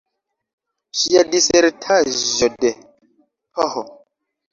Ŝia disertaĵo de Ph.